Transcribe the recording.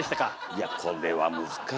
いやこれは難しいよ。